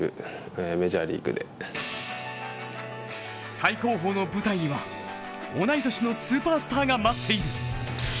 最高峰の舞台には、同い年のスーパースターが待っている。